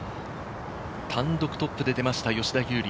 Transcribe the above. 単独トップで出ました、吉田優利。